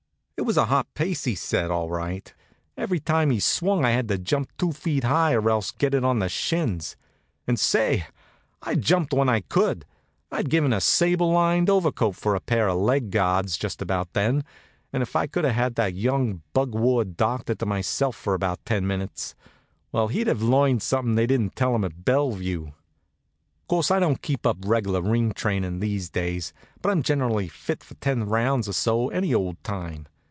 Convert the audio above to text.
It was a hot pace he set, all right. Every time he swung I had to jump two feet high, or else get it on the shins. And say! I jumped when I could. I'd have given a sable lined overcoat for a pair of leg guards just about then; and if I could have had that young bug ward doctor to myself for about ten minutes well, he'd have learned something they didn't tell him at Bellevue. Course, I don't keep up reg'lar ring trainin' these days; but I'm generally fit for ten rounds or so any old time.